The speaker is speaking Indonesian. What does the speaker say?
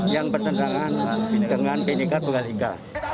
yang bertentangan dengan binika tunggal ika